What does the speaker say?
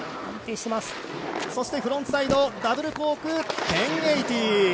そしてフロントサイドダブルコーク１０８０。